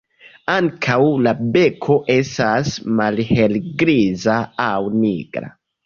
Ankaŭ la beko estas malhelgriza aŭ nigra.